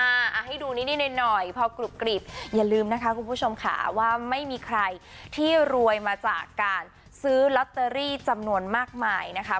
ให้ดูนิดหน่อยพอกรุบกรีบอย่าลืมนะคะคุณผู้ชมค่ะว่าไม่มีใครที่รวยมาจากการซื้อลอตเตอรี่จำนวนมากมายนะคะ